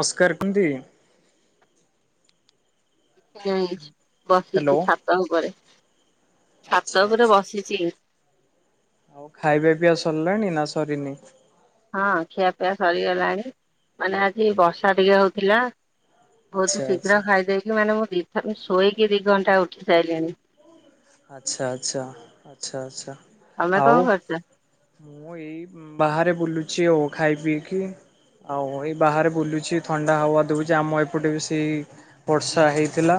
ନମସ୍କାର କେମିତି? ହୁଁ, ହ୍ୟାଲୋ। ବସିଚି ଛାତ ଉପରେ। ଆଚ୍ଛା ଛାତ ଉପରେ ଆଚ୍ଛା। ବସିଛି। ଆଉ ଖାଇବା ପିଇଆ ସରିଲାଣି ନା ସରିନି? ହଁ ଖିଆପିଆ ସରିଗଲାଣି ମାନେ ଆଜି ବର୍ଷା ଟିକେ ହଉଥିଲା। ଆଚ୍ଛା ବହୁତ ଆଚ୍ଛା। ଶୀଘ୍ର ଖାଇଦେଇକି ମାନେ ମୁଁ ଦିଥର ଶୋଇକି ଦି ଘଣ୍ଟା ଉଠି ସାଇଲିଣି। ଆଚ୍ଛା ଆଚ୍ଛା ଆଚ୍ଛା ଆଛା ତମେ କଣ ଆଉ। କରୁଛ? ମୁଁ ଏଇ ବାହାରେ ବୁଲୁଛି ଆଉ ଖାଇ ପିଇକି। ଆଉ ଏଇ ବାହାରେ ବୁଲୁଛି ଥଣ୍ଡା ହାୱା ଦଉଚି ଆମ ଏପଟେ ବି ସେଇ ବର୍ଷା ହେଇଥିଲା।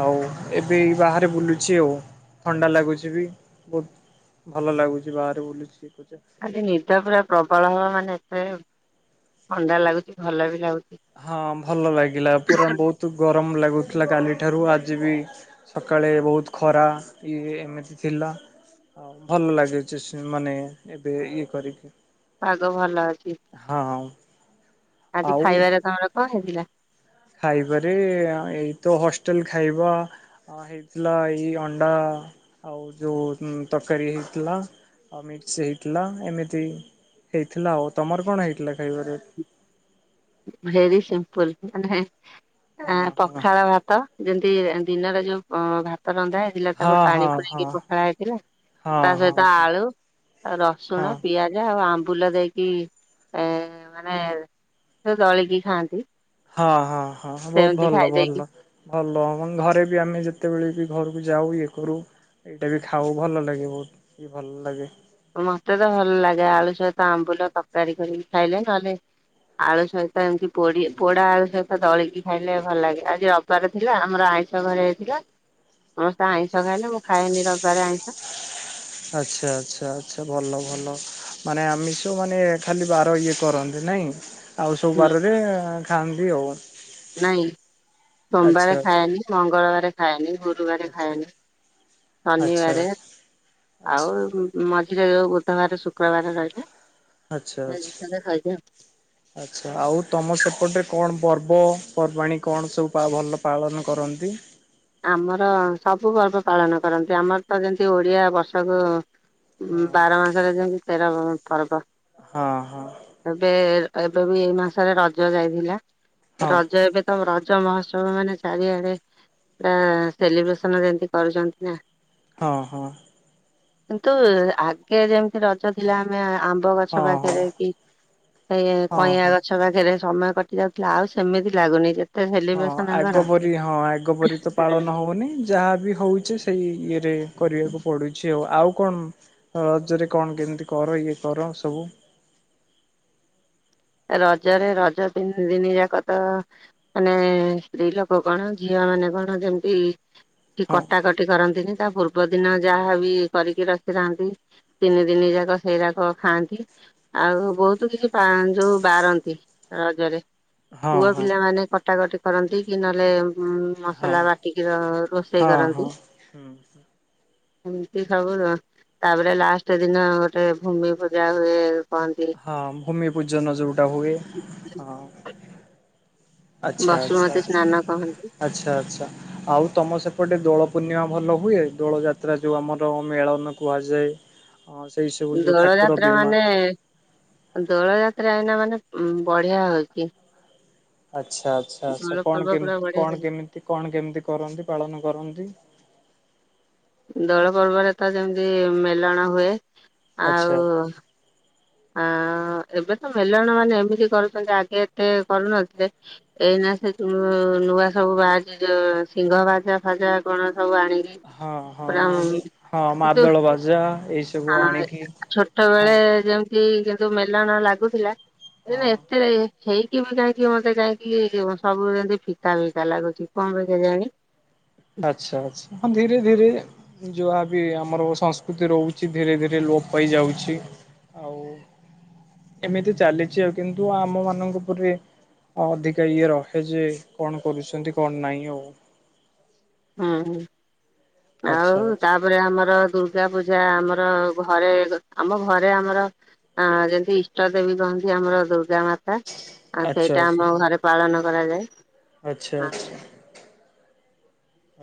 ଆଉ ଏବେ ଏଇ ବାହାରେ ବୁଲୁ ଛି ଆଉ ଥଣ୍ଡା ଲାଗୁଛି ବି ବହୁତ ଭଲ ଲାଗୁଛି ବାହାରେ ବୁଲୁଛି। ଖାଲି ନିଦ ପୁରା ପ୍ରବଳ ହବ ମାନେ ଏତେ ଥଣ୍ଡା ଲାଗୁଛି ଭଲ ବି ଲାଗୁ ହଁ ଭଲ ଲାଗିଲା ପୁରା ବହୁତ ଗରମ ଲାଗୁଥିଲା କାଲି ଠାରୁ ଆଜି ବି ସକାଳେ ବହୁତ ଖରା ଇଏ ଏମିତି ଥିଲା। ଆଉ ଭଲ ଲାଗୁଛି ସି ମାନେ ଏବେ ଇଏ କରିକି। ପାଗ ଭଲ ଅଛି। ହଁ। ଆଜି ଆଉ ଖାଇବାରେ ତମର କଣ ହେଇଥିଲା? ଖାଇବାରେ ଏଇ ତ ହଷ୍ଟେଲ ଖାଇବା ଅ ହେଇଥିଲା ଏଇ ଅଣ୍ଡା ଆଉ ଯୋଉ ତକାରୀ ହେଇଥିଲା ଆଉ ମିକ୍ସ ହେଇଥିଲା ଏମିତି ହେଇଥିଲା ଆଉ ତମର କଣ ହେଇଥିଲା ଖାଇବାରେ? ଭେରି ସିମ୍ପଲ ମାନେ ହଁ ଆ ପଖାଳ ଭାତ ଯେମ ତି ଦିନରେ ଯୋଉ ଅ ଭାତ ରନ୍ଧା ହେଇଥିଲା ତାକୁ ହଁ ହଁ ପାଣି ହଁ ହଁ ହଁ ପୁରରେଇକି ପଖଳା ହେଇଥିଲା ତା ହଁ ସହିତ ହଁ ଆଳୁ, ରସୁଣ, ହଁ। ପିଆଜ ଆଉ ଆମ୍ ବୁଲ ଦେଇକି ଏ ମାନେ ସେ ଦଳିକି ଖାଆନ୍ତି। ହଁ ହଁ ହଁ ବହୁତ ସେମିତି ଭଲ ଖାଇଦେଇକି ଭଲ ଭଲ ମାନେ ଘରେ ବି ଆମେ ଯେତେବେଳେ ବି ଘରକୁ ଯାଉ ଇଏ କରୁ ଏଇଟା ବି ଖାଉ ଭଲ ଲାଗେ ବହୁତ ବି ଭଲ ଲାଗେ। ମତେ ତ ଭଲ ଲାଗେ ଆଳୁ ସହିତ ଆମ୍ବୁଲ ତକାରୀ କରିକି ଖାଇଲେ ନହେଲେ ଆଳୁ ସହିତ ଏମିତି ପୋଡି ପୋଡା ଆଳୁ ସହିତ ଦଳିକି ଖାଇଲେ ଭଲ ଲାଗେ ଆଜି ରବିବାର ଥିଲା ଆମର ଆ ଆଇଁଷ ଘରେ ହେଇଥିଲା। ସମସ୍ତେ ଆଇଁଷ ଆଚ୍ଛା ଖାଇଲେ ମୁଁ ଖାଏନି ରବିବାରେ ଆଇଁଷ। ଆଚ୍ଛା ଆଚ୍ଛା ଆଚ୍ଛା ଭଲ ଭଲ ମାନେ ଆମିଷ ମାନେ ଖାଲି ବାର ଇଏ କରନ୍ତି ନାଇଁ? ଆଉ ସବୁ ହୁଁ ବାରରେ ଖାଆନ୍ତି ଆଉ। ନାଇଁ ସୋମବାର ଆଚ୍ଛା ଆଚ୍ଛା ଖାଏନି ମଙ୍ଗଳବାର ଖାଏନି ଗୁରୁବାରେ ଆଚ୍ଛା। ଖାଏନି ଆଚ୍ଛା ଶନିବାରେ ଆଚ୍ଛା ଆଚ୍ଛା ଆଉ ମ ଝିରେ ଯୋଉ ଗୋଟେ ବାରେ ଶୁକ୍ରବାରେ ରହିଲା ଆଛା ଏ ଆଛା ଦିଥର ଖାଇଦିଏ ଆଚ୍ଛା ଆଉ ତମ ସେପଟରେ କଣ ପର୍ବପର୍ବାଣୀ କଣ ସବୁ ପା ଭଲ ପାଳନ କରନ୍ତି? ଆମର ସବୁ ପର୍ବ ପାଳନ କରନ୍ତି ଆମର ତ ଯେମିତି ଓଡିଆ ବର୍ଷକୁ ହଁ ବାର ମାସରେ ଯେମତି ତେର ପର୍ବ। ହଁ ହଁ। ଏବେ ଏବେ ବି ଏଇ ମାସରେ ରଜ ଯାଇଥିଲା ହଁ। ରଜ ଏବେ ତ ର ଜ ମହୋତ୍ସବ ମାନେ ଚାରିଆଡେ ପୁରା ସେଲିବ୍ରେସନ ଯେମତି କରୁଛନ୍ତି ନା। ହଁ ହଁ। କିନ୍ତୁ ସେ ଆଗେ ଯେମିତି ରଜ ହଁ ଥିଲା ଆମେ ଆମ୍ବ ହଁ ଗଛ ହଁ ପାଖରେ କି ଏଇ ହଁ କଇଁଆ ହଁ। ଗଛ ପାଖରେ ସମୟ କଟି ଯାଉଥିଲା ଆଉ ସେମିତି ଲାଗୁନି ଯେମ୍ ହଁ ଆଗ ପରି ହଁ ଆଗ ପରି ତ ପାଳନ ହଉନି ଯାହା ବି ହଉଚି ସେଇ ଇଏ ରେ କରିବାକୁ ପଡୁଛି ଆଉ ଆଉ କଣ ରଜରେ କଣ କେମିତି କର ଇଏ କର ସବୁ? ହ [inaudible] ରଜରେ ରଜ ତିନି ଦିନି ଯାକ ତ ମାନେ ସ୍ତ୍ରୀ ଲୋକ କଣ ଝିଅ ମାନେ କଣ ଯେମତି କି ହଁ କଟାକଟି କରନ୍ତିନି। ତା ପୂର୍ବ ଦିନ ଯାହା ବି କରିକି ରଖିଥାନ୍ତି ତିନି ଦିନି ଯାକ ସେରାକ ଖାଆନ୍ତି। ଆଉ ବହୁତ କିଛି [unintelligible] ଯୋଉ ବାରନ୍ତି ରଜରେ ହଁ ପୁଅ ହଁ ପିଲାମାନେ କଟାକଟି କରନ୍ତି କି ନଲେ। ଉ ହଁ ମସଲା ବାଟିକି ରୋଷେଇ ହଁ କରନ୍ତି ହଁ। ଏମିତି ସବୁ ନା ତାପରେ ଲାଷ୍ଟ ଦିନ ଗୋଟେ ଭୂମି ପୂଜା ହୁଏ। କହନ୍ତି। ହଁ ଭୂମି ପୂଜନ ଯେଉଟା ହୁଏ ହଁ। ଆଚ୍ଛା ଆଛା ବସୁମତୀ ଆଛା ସ୍ନାନ କହନ୍ତି ଆଚ୍ଛା ଆଛା ଆଉ ତମ ସେପ ପଟେ ଦୋଳ ପୂର୍ଣ୍ଣିମା ଭଲ ହୁଏ ଦୋଳ ଯାତ୍ରା ଯୋଉ ଆମର ମେଳନ କୁହାଯାଏ। ହଁ ସେଇ ସବୁ ଯୋଉ ଦୋଳ ଠାକୁର ଯାତ୍ରା ବିମାନ ମାନେ ଦୋଳ ଯାତ- ତ୍ରା ଏଇନା ମାନେ ଉଁ ବଢିଆ ହଉଛି। ଆଚ୍ଛା ଆଚ୍ଛା ଆଚ୍ଛା ଦୋଳ କଣ ପର୍ବ କେମ ପୁରା କଣ ବଢିଆ କେମିତି କଣ କେମିତି କରନ୍ତି ପାଳନ କରନ୍ତି। [unintelligible] ଦୋଳ ପର୍ବରେ ତ ଯେମିତି ମେଲଣ ହୁଏ ଆଚ୍ଛା ଆଉ। ଆ ଏବେ ତ ମେଲଣ ମାନେ ଏମିତି କରୁଛନ୍ତି ଆଗେ ଏତେ କରୁନଥିଲେ। ଏଇନା ଆଚ୍ଛା। ସେ ଯୋଉ ନୂଆ ସବୁ ବାହାରିଚି ଯୋଉ ସିଂହ ବାଜା ଫାଜା କଣ। ସବୁ ଆଣିକି। ହଁ ହଁ ପୁର ଉଁ ଯେ ହଁ କିନ୍ତୁ ମାଦଳ ବାଜା ଏଇ ସବୁ ହଁ ଆଣିକି ଛୋଟ ହଁ ବେଳେ ଯେମ ତି କିନ୍ତୁ ମେଲଣ ଲାଗୁଥିଲା ହଁ ଏଇନା ଏତେ। ହେଇକି ବି କାଇଁକି କି ମତେ କାଇଁକି ସବୁ ଯେମିତି ଫିକା ଫିକା ଲାଗୁଛି କଣ ପାଇଁ କେ ଯାଣି। ଆଚ୍ଛା ଆଛା ହଁ ଧୀରେ ଧୀରେ। ଯୋହାବି ଆମର ସଂସ୍କୃତି ରହୁଛି ଧୀରେ ଧୀରେ ଲୋପ ପାଇ ଯାଉଛି। ଆଉ ଏମିତି ଚାଲିଛି ଆଉ କିନ୍ତୁ ଆମ ମାନଙ୍କ ଉପରେ। ଅଧିକା ଇଏ ରହେ ଯେ କଣ କରୁଛନ୍ତି କଣ ନାଇଁ ଆଉ ହୁଁ ହୁଁ ଆଚ୍ଛା ଆଉ ଆଚ୍ଛା ତାପରେ ଆମର। ଦୁର୍ଗା ପୂଜା ଆମର ଘରେ ଆମ ଘରେ ଆମର ଆ ଯେମିତି ଇଷ୍ଟ ଦେବୀ। ହୁଅନ୍ତି ଆମର ଦୁର୍ଗା ମାତା ଆଉ ଆଚ୍ଛା ସେଇଟା ଆଚ୍ଛା। ଆମ ହଁ ଘରେ ପାଳନ କରାଯାଏ। ଆଚ୍ଛା ଆଚ୍ଛା।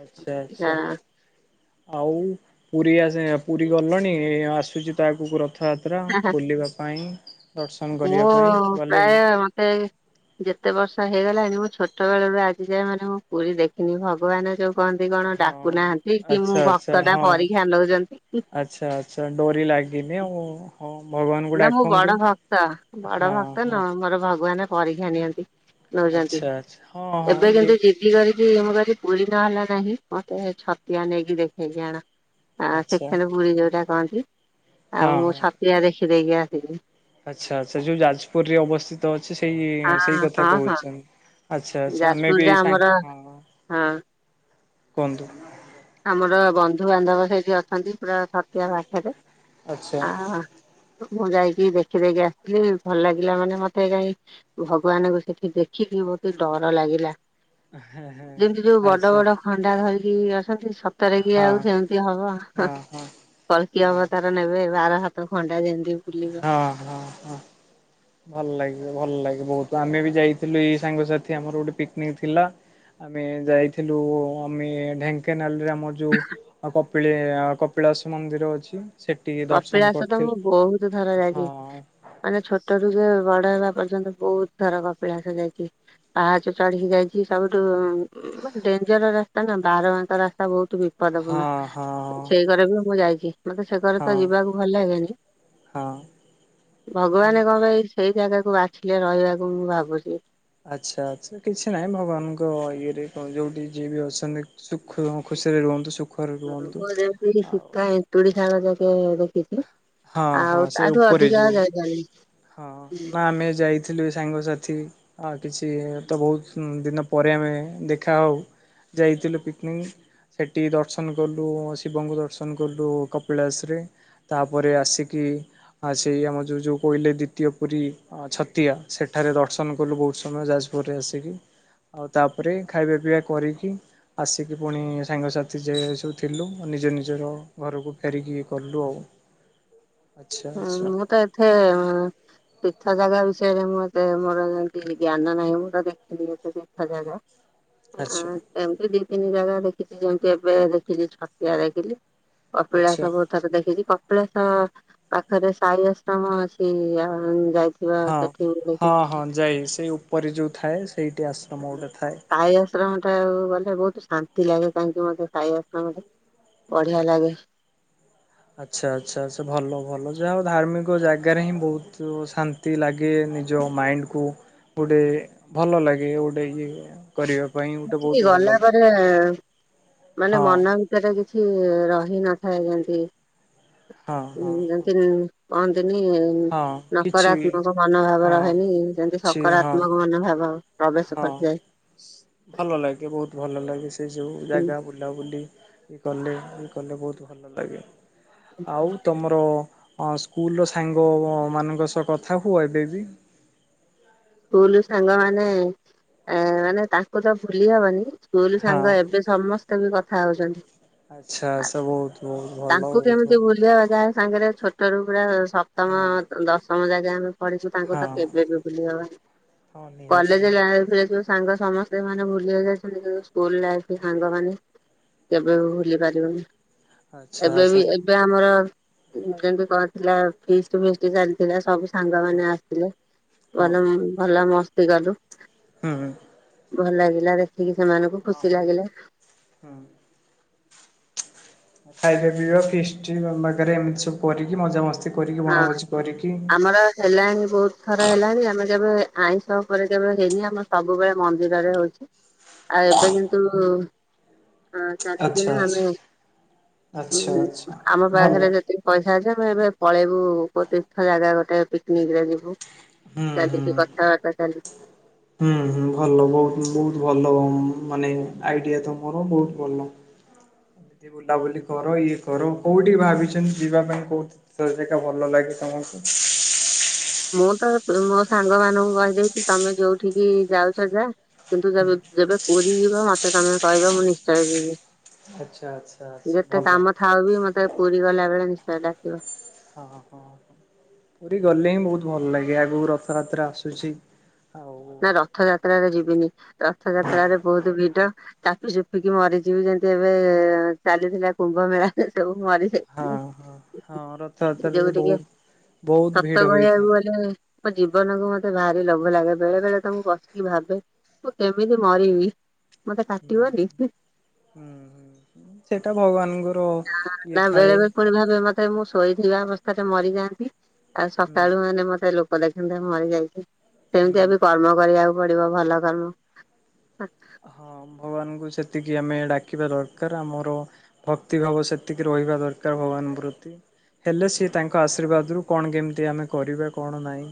ଆଚ୍ଛା ଆଚ୍ଛା। ଆଉ ପୁରୀ ଆସି ପୁରୀ ଗଲଣି ଆସୁଛି ତ ଆଗକୁ ରଥ ରଥଯାତ୍ରା ବୁଲିବା ପାଇଁ। ଦର୍ଶନ କରିବା ପାଇଁ ମୁଁ ଗଲେଣି ପ୍ରାୟ ମତେ ଯେତେ ବର୍ଷ। ହେଇ ଗଲାଣି ମୁଁ ଛୋଟ ବେଳୁ ରୁ ଆଜିଯାଏ ମାନେ ମୁଁ ପୁରୀ ଦେଖିନି ଭଗବାନ ଯୋଉ। କହନ୍ତି କଣ ଡାକୁ ହଁ ନାହାନ୍ତି କି ମୁଁ ଆଚ୍ଛା ଆଚ୍ଛା ଭକ୍ତ ଟା ହଁ। ପରକ୍ଷା ନଉଛନ୍ତି କି। ଲଗିନି ଆଉ ହଁ। ଭଗବାନଙ୍କୁ ନା ମୁଁ ଡାକନ୍ତୁ। ବଡ ଭକ୍ତ ବଡ ହଁ ଭକ୍ତ ହଁ ନୁ ମୋର ଭଗବାନ। ପରିକ୍ଷା ନିଅନ୍ତି ନଉଚନ୍ତି ଆଚ୍ଛା ଆଚ୍ଛା ହଁ ହଁ ଏବେ ଇଏ କିନ୍ତୁ ଯିଦି କରିକ। କି ମୁଁ କଇଲି ପୁରୀ ନହେଲା ନାହିଁ ମତେ ଛତିଆ ନେଇକି ଦେଖେଇକି ଆଣ। ଆ ଆଚ୍ଛା ସେକେଣ୍ଡ ପୁୁରୀ ଯୋଉଟା କହନ୍ତି ହଁ ଆଉ ମୁଁ ହଁ। ଛତିଆ ଦେଖି ଦେଇକି ଆସିଲି। ଆଚ୍ଛା ଆଚ୍ଛା ଯୋଉ ଯାଜପୁର ରେ ଅବସ୍ଥିତ ଅଛି ସେଇ ସେଇ ହଁ କଥା ହଁ ହଁ କହୁଛନ୍ତି। ଆଚ୍ଛା ଆଚ୍ଛା ଆମେ ବି ଯାଜପୁରରେ ଏଇ ଆମର ସାଙ୍ଗ ହଁ ହଁ କୁହନ୍ତୁ। ଆମର ବନ୍ଧୁ ବାନ୍ଧବ ସେଇଠି ଅଛନ୍ତି ପୁରା ଛତିଆ ପାଖରେ। ଆଚ୍ଛା। ଆ ମୁଁ ଯାଇକି ଦେଖି ଦେଇକି ଆସିଲି ଭଲ ଲାଗିଲା ମାନେ ମତେ ଜାଇଁ ଭଗବାନଙ୍କୁ ସେଠି ଦେଖିଲି। ଲି ବହୁତ୍ ଡର ଲାଗିଲା ଯେମିତି ଯୋଉ ବଡ ଆଚ୍ଛା ବଡ ଖଣ୍ଡା ଧରିକି ଆସନ୍ତି। ସତରେ ବି ଆଉ ହଁ। ସେମିତି ହବ, ହଁ ହଁ କଳକି ହଁ ଅବତାର ନେବେ ବାର ହାତ ତ ଖଣ୍ଡା ଯେମତିି ବୁଲିବ। ହଁ ହଁ ହଁ। ଭଲ ଲାଗିବ ଭଲ ଲାଗେ ବହୁତ ଆମେ ବି ଯାଇଥିଲୁ ଏଇ ସାଙ୍ଗସାଥି ଆମର ଗୋଟେ ପିକନିକ ଥିଲା। ଆମେ ଯାଇଥିଲୁ ଆମେ ଢେଙ୍କାନାଳରେ ଆମ। ଆମର ଯୋଉ କପିଳ କପିଳାସ ମନ୍ଦିର ଅଛି। ସେଠି ଦର୍ଶନ କପିଳାସ ତ କରିଥିଲୁ। ମୁଁ ବହୁତ ଥର ଯାଇଛି, ହଁ ମାନେ ଛୋଟରୁ ଯୋଉ। ବଡ ହେବା ପର୍ଯ୍ୟନ୍ତ ବହୁତ ଥର କପିଳାସ ଯାଇଛି, ପାହାଚ ଚଢିକି ଯାଇଛି, ସବୁଠୁ। ମାନେ ଡେଞ୍ଜର ରାସ୍ତା ନା, ବାର ବାଙ୍କ ରାସ୍ତା ବହୁତ। ବିପାଦପୂର୍ଣ୍ଣ ହଁ ହଁ ନା ସେଇ ଘରେ ବି ମୁଁ ଯାଇଚି ମତେ ସେ ଘରେ ତ ହଁ ଯିବାକୁ ଭଲ ଲାଗେନି, ହଁ। ଭଗବାନ କଣ ପାଇଁ ସେଇ ଜାଗାକୁ ବାଛିଲେ ରହିବାକୁ ମୁଁ ଭାବୁଚି। ଆଛା ଆଛା କିଛି ନାହିଁ ଭଗବାନଙ୍କ ଇଏରେ କଣ ଯୋଉଠି ଯିଏ ବି ଅଛନ୍ତି ସୁଖ ଖୁ ସିରେ ରୁହନ୍ତୁ, ସୁକ୍ ଏନ୍ତୁଡି ସୂତା ଏନ୍ତୁଡି ଶାଳ ଯାକେ ଦେଖ ଦେଖେ ହଁ ହଁ ଆଉ ସେ ତାଠୁ ଉପରେ ଅଧିକା ଆଉ ଯୋଉ ଯାଇପରିବିନି। ହଁ ନା ଆମେ ଯେ ଯାଇଥିଲୁ ସାଙ୍ଗସାଥି, ଆ କିଛି ତ ବହୁତ ଦିନ ପରେ ଆମେ ଦେଖା ହଉ ଯାଇଥିଲୁ ପିକନିକ। ସେଠି ଦର୍ଶନ କଲୁ ଶିବଙ୍କୁ ଦର୍ଶନ କଲୁ କପିଳାସ ରେ, ତାପରେ ଆସିକି ଆ ସେଇ ଆମର ଯୋଉ ଯୋଉ କୋଇଲି ଦ୍ୱିତୀୟ ପୁରୀ ଆ ଛତିଆ ସେଠାରେ ଦର୍ଶନ କଲୁ ବହୁତ ସମୟ ଯାଜପୁରରେ ଆସିକି। ଆଉ ତାପରେ ଖାଇବା ପିଇବା କରିକି ଆସିକି ପୁଣି ସାଙ୍ଗସାଥି ଯେ ସବୁ ଥିଲୁ। ନିଜ ନିଜର ଘରକୁ ଫେରିକି କଲୁ ଆଉ। ଆଚ୍ଛା ହୁଁ ଆଚ୍ଛା ମୁଁ ତ ଏଥେ ତୀର୍ଥ ଜାଗା ବିଷୟରେ ମୁଁ ଏତେ ମୋର ଯେମିତି ଜ୍ଞାନ ନାହିଁ, ମୁଁ ତ ଦେଖିନି ଏତେ ତୀର୍ଥ ଜାଗା। ଆ ଆଚ୍ଛା ଏମିତି ଦି ତିନି ଜାଗା ଦେଖିଚି ଯେମିତି ଏବେ ଦେଖିଚି ଛତିଆ ଦେଖିଲି। ଆଚ୍ଛା କପିଳାସ ବହୁଥର ଦେଖିଚି, କପିଳାସ ପାଖରେ ସାହି ଆଶ୍ରମ ଅଛି ଯାଇ ହଁ ହଁ ହଁ ଯାଇ ସେଇ ଉପରେ ଯୋଉ ଥାଏ ସେଇଠି ଆଶ୍ରମ ଗୋଟେ ଥାଏ। ସାଇ ଆଶ୍ରମ ଟା ଗଲେ ବହୁତ ଶାନ୍ତି ଲାଗେ କାହିଁକି ମତେ ସାଇ ଆଶ୍ରମରେ। ବଢିଆ ଲାଗେ। ଆଚ୍ଛା ଆଚ୍ଛା ସେ ଭଲ ଭଲ ଯାହା ହଉ ଧାର୍ମିକ ଜାଗାରେ ହିଁ ବହୁତ ଶାନ୍ତି ଲାଗେ। ନିଜ ମାଇଣ୍ଡକୁ ଗୋଟେ ଭଲ ଲାଗେ ଗୋଟେ ଇଏ। କରିବା ପାଇଁ ଗୋଟେ ବହୁତ ସେତିକି ଭଲ ଗଲା ଲାଗେ। ପରେ ମାନେ ହଁ ମନ ଭିତରେ କିଛି ରହିନ ଥାଏ, ଯେନ୍ତି ହଁ ହଁ ହଁ ଯେନ୍ତି କହନ୍ତି ନି ହଁ କିଛି ନକାରତ୍ମକ ମନୋଭାବ ହଁ। ରହେନି ସେମିତି କିଛି ହଁ ସକାରାତ୍ମକ ମନୋଭାବ ପ୍ରବେଶ ହଁ। କରିଥାଏ। ଭଲ ଲାଗେ ବହୁତ ଭଲ ଲାଗେ ସେ ସବୁ ଜାଗା ବୁଲାବୁଲି ଇଏ କଲେ ଇଏ କଲେ ବହୁତ ଭଲ ଲାଗେ, ଆଉ ତମର ହଁ ସ୍କୁଲର ସାଙ୍ଗମାନଙ୍କ ସହ କଥା ହୁଅ ଏବେ ବି? ସ୍କୁଲ ସାଙ୍ଗ ମାନେ ମାନେ ଆ ତାଙ୍କୁ ତ ଭୁଲି ହବନି। ସ୍କୁଲ ହଁ ସାଙ୍ଗ ଏବେ ସମସ୍ତେ ବି କଥା ହଉଚନ୍ତି। ଆଚ୍ଛା ସବହୁତ ବହୁତ। ଭଲ ତାଙ୍କୁ ବି ବହୁତ କେମିତି ଭଲ। ଭୁଲିବା ଯାହା ସାଙ୍ଗରେ ଛୋଟ ରୁ ପୁରା ସପ୍ତମ ହଁ ଦଶମ ଯାଏଁ କି ଆମେ ପଢିଚୁ ତାଙ୍କୁ ତ ହଁ କେବେ ବି ଭୁଲି ହବନି, ହଁ ନିହାତି କଲେଜ ନିହାତି ଯାଏଁ ଯେ ସାଙ୍ଗ ସମସ୍ତେ ମାନେ ବୁଲିବାକୁ ଯାଇଚନ୍ତି କେବେ ସ୍କୁଲ ଲାଇଫ ସାଙ୍ଗମାନେ କେବେ ଭୁଲି ପାରିବନି। ଆଚ୍ଛା ଏବେ ବି ଆଚ୍ଛା ଏବେ ଆମର ଯେମିତି କରିଥିଲା ଫିଷ୍ଟ ଫିଷ୍ଟ ଚାଲିଥିଲା ସବୁ ସାଙ୍ଗ ହଁ ମାନେ ଆସିଲେ ହଁ ଭଲ, ଭଲ ମସ୍ତି କଲୁ। ହୁଁ ହୁଁ। ଭଲ ଲାଗିଲା ଦେଖିକି ସେମାନଙ୍କୁ ହଁ ଖୁସି ହଁ ଲାଗିଲା। ହୁଁ। ଖାଇବା ପିଇବା ଫିଷ୍ଟ ରନ୍ଧାକରିବା ଏମିତି ସବୁ କରିକି ମଜା ମସ୍ତି ହଁ ଆମର ହେଲାଣି ବହୁତ ଥର ହେଲାଣି ଆମେ କେବେ ଆଇଁଷ ଉପରେ କେବେ ହେଇନି ଆମର ସବୁବେଳେ ମନ୍ଦିରରେ ହଉଚି। ଆଉ ଏବେ କିନ୍ତୁ ଉଁ ଚାରି ଆଚ୍ଛା ଦିନ ଆଚ୍ଛା ଆମେ ଆଚ୍ଛା ହୁଁ ଆଚ୍ଛା ଆମ ଭଲ ପାଖରେ ଯେତିକି ପଇସା ଅଛି ଆମ ଏବେ ପଳେଇବୁ କୋଉ ତୀର୍ଥ ଜାଗା ଗୋଟେ ପିକନିକରେ ଯିବୁ। ହୁଁ ଚାଲିଛି ହୁଁ କଥାବାର୍ତ୍ତା ଚାଲିଛି। ହୁଁ ହୁଁ ଭଲ ବହୁତ ବହୁତ ଭଲ ହୁଁ ମାନେ ଆଇଡ଼ିଆ ତମର ବହୁତ ଭଲ। ଏମିତି ବୁଲାବୁଲି କର ଇଏ କର କୋଉଠି ଭାବିଛନ୍ତି ଯିବା ପାଇଁ କୋଉଠି ଜାଗା ଭଲ ଲାଗେ। ଅହ [unintelligible] ମୁଁ ତ ମୋ ସାଙ୍ଗ ମାନଙ୍କୁ କହିଦେଇଛି ତମେ ଯୋଉଠିକି ଯାଉଛ ଯାଅ କିନ୍ତୁ ଯେବେ- ଯେବେ ପୁରୀ ଯିବା ମତେ ତମେ କହିବ ମୁଁ ନିଶ୍ଚୟ ଯିବି। ଆଚ୍ଛା ଆଚ୍ଛା ଆଚ୍ଛା ଯେତେ ଭଲ କାମ ଥାଉ ବି ମତେ ପୁରୀ ଗଲା ବେଳେ ନିଶ୍ଚୟ ଡାକିବ ହଁ ହଁ ହ। ପୁରୀ ଗଲେ ହିଁ ବହୁତ ଭଲ ଲାଗେ ଆଗକୁ ରଥଯାତ୍ରା ଆସୁଛି। ଆଉ ହଁ ନା ରଥଯାତ୍ରାରେ ଯିବିନି ରଥଯାତ୍ରାରେ ବହୁତ ଭିଡ ଚାପି ଚୁପିକି ମରିଯିବି ଯେମତି ଏବେ ଚାଲିଥିଲା କୁମ୍ଭ ମେଳାରେ ସବୁ ମରିଯାଇଥିଲେ। ହଁ ହଁ ରଥଯାତ୍ରାରେ ନିଜକୁ ଟିକେ ବହୁତ ବହୁତ ଭିଡ ସତ ହୋଇଥାଏ। କହିବାକୁ ଗଲେ ମୋ ଜୀବନକୁ ମତେ ଭାରି ଲୋଭ ଲାଗେ। ବେଳେ ବେଳେ ତ ମୁଁ ବସିକି ଭାବେ ମୁଁ କେମିତି ମରିବି। ମତେ ହୁଁ କାଟିବନି ହୁଁ ହୁଁ ସେଇଟା ଭଗବାନଙ୍କୁ ତା ବେଳେବେଳେ ପୁଣି ଭାବେ ମତେ ଏ ମୁଁ ଶୋଇଥିବା ଅବସ୍ଥାରେ ମରିଯାଆନ୍ତି ଆଉ ହୁଁ ସକାଳୁ ମାନେ ମତେ ଲୋକ ଦେଖନ୍ତେ ମୁଁ ମରିଯାଇଛି। ସେମିତି ହୁଁ। ଏବେ କର୍ମ କରିବାକୁ ପଡିବ ଭଲ କର୍ମ ହଁ ଭଗବାନଙ୍କୁ ସେତିକି ଆମେ ଡାକିବା ଦରକାର ଆମର ଭକ୍ତି ଭାବ ସେତିକି ରହି ରହିବା ଦରକାର ଭଗବାନ ପ୍ରତି ହେଲେ ସିଏ ତାଙ୍କ ଆଶୀର୍ବାଦରୁୁ କଣ କେମିତି ଆମେ କରିବା କଣ ନାହିଁ।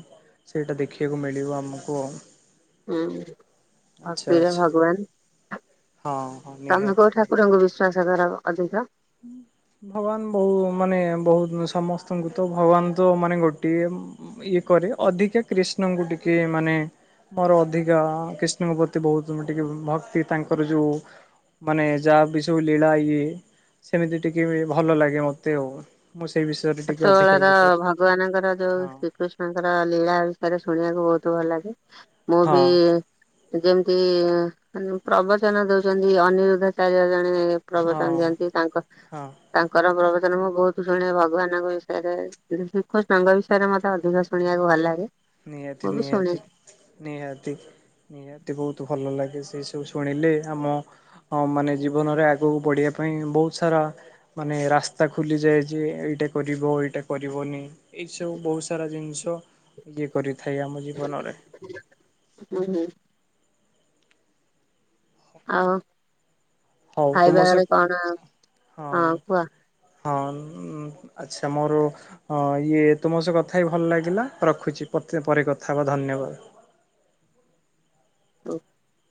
ସେଇଟା ଦେଖିବାକୁ ମିଳିବ ଆମକୁ ଆଉ ହୁଁ-ଉ ଆଚ୍ଛା ଭକ୍ତିରେ ଆଚ୍ଛା ଭଗବ ନ ହଁ ହଁ ତମେ ନିହାତି କୋଉ ଠାକୁରଙ୍କୁ ବିଶ୍ଵାସ କର ଅଧିକ ହୁଁ ଭଗବାନ ବହୁ ମାନେ ବହୁତ ସମସ୍ତଙ୍କୁ ତ ଭଗବାନ ତ ମାନେ ଗୋଟିଏ ଉ ଇଏ କରେ ଅଧିକା କ୍ରିଷ୍ଣଙ୍କୁ ଟିକେ ମାନେ ମୋର ଅଧିକା କ୍ରିଷ୍ଣଙ୍କ ପ୍ରତି ବହୁତ ଟିକେ ଭକ୍ତି ତାଙ୍କର ଯୋଉ ମାନେ ଯାହା ବି ସବୁ ଲୀଳା ଇଏ ସେମିତି ଟିକେ ବି ଭଲ ଲାଗେ ମତେ ଆଉ ମୁଁ ସେଇ ବିଷୟରେ ଟିକେ ଅଧିକା ଛୋଟବେଳର ଇଏ କରେ। ଭଗବାନଙ୍କର ଯୋଉ ହଁ ଶ୍ରୀକୃଷ୍ଣଙ୍କର ଲୀଳା ସେଟା ଶୁଣିବାକୁ ବହୁତ ଭଲ ଲାଗେ ମୁଁ ହଁ ବି ଯେମିତି-ଇ ପ୍ରବଚନ ଦଉଛନ୍ତି ଅନିରୁଦ୍ଧ ଚାରି ହ ଜଣ ହଁ ପ୍ରବଚନ ଦିଅନ୍ତି ତାଙ୍କ ହଁ। ତାଙ୍କର ପ୍ରବଚନ ମୁଁ ବହୁତ ଶୁଣେ ଭଗବାନ୍ ଷୟରେ କୃଷ୍ଟଙ୍କ ବିଷୟରେ ମତେ ଅଧିକ ଶୁଣିବାକୁ ଭଲ ଲାଗେ। ନିହାତି ମୁଁ ବି ଶୁଣେ ନିହାତି ନିହାତି ନିହାତି ବହୁତ ଭଲ ଲାଗେ ସେ ସବୁ ଶୁଣିଲେ ଆମ ହଁ ମାନେ ଜୀବନରେ ଆଗକୁ ବଢ଼ିବା ପାଇଁ ବହୁତ ସାରା ମାନେ ରାସ୍ତା ଖୋଲିଯାଏ ଯେ ଏଇଟା କରିବ ଏଇଟା କରିବନି ଏଇସବୁ ବହୁତ ସାରା ଜିନିଷ ଇଏ କରିଥାଏ ଆମ ଜୀବନରେ ହୁଁ ଆଉ ହଉ ତୁମ ଖାଇବା ସହ ଘରେ କଣ ହଁ କୁହ? ହଁ ଆଚ୍ଛା ମୋର ହଁ ଇଏ ତୁମ ସହ କଥା ବି ଭଲ ଲାଗିଲା ରଖୁଛି। ତେ ପରେ କଥାହବା ଧନ୍ୟବାଦ୍। ତ [inaudible]